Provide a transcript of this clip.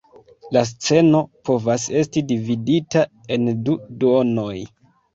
La sceno povas esti dividita en du duonoj.